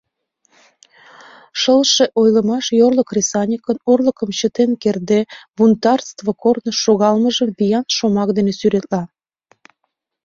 «Шылше» ойлымаш йорло кресаньыкын, орлыкым чытен кертде, бунтарство корныш шогалмыжым виян шомак дене сӱретла.